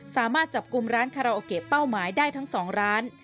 สามารถจับกลุ่มร้านคาราโอเกะเป้าหมายได้ทั้ง๒ร้าน